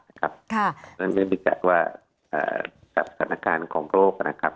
เพราะฉะนั้นเจ้าหั่นบริกัดว่าสถานการณ์ของโรคนะครับ